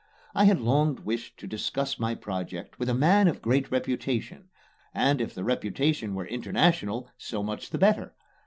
I had long wished to discuss my project with a man of great reputation, and if the reputation were international, so much the better.